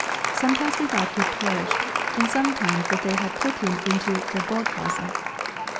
Sometimes we thought he had perished, and sometimes that they had put him into Viborghouse.